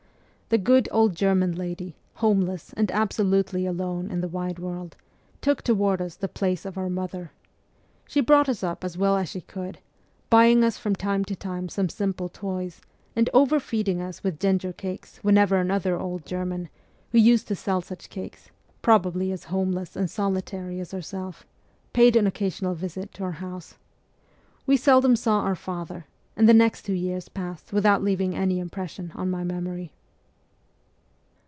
The good old German lady, homeless and absolutely alone in the wide world, took toward us the place of our mother. She brought us up as well as she could, buying us from time to time some simple toys, and overfeeding us with ginger cakes whenever another old German, who used to sell such cakes probably as homeless and solitary as herself paid an occasional visit to our house. We seldom saw our father, and the next two years passed without leaving any impression on my memory.